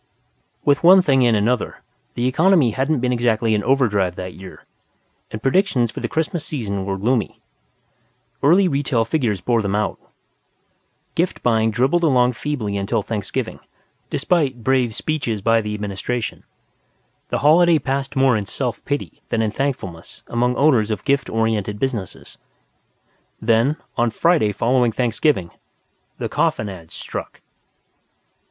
With one thing and another, the economy hadn't been exactly in overdrive that year, and predictions for the Christmas season were gloomy. Early retail figures bore them out. Gift buying dribbled along feebly until Thanksgiving, despite brave speeches by the Administration. The holiday passed more in self pity than in thankfulness among owners of gift oriented businesses. Then, on Friday following Thanksgiving, the coffin ads struck.